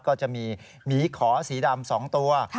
ก็จะมีหมีขอสีดำ๒ตัว